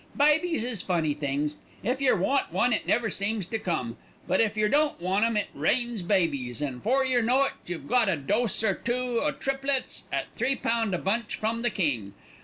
"Babies is funny things. If yer want one it never seems to come; but if yer don't want 'em it rains babies, an' 'fore yer know it you've got a dose or two o' triplets at three pound a bunch from the King.